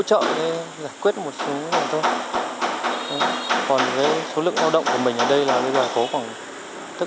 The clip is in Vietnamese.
trợ giải quyết một số người thôi còn với số lượng lao động của mình ở đây là bây giờ có khoảng tất